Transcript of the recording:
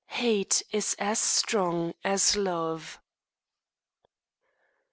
HATE IS AS STRONG AS LOVE.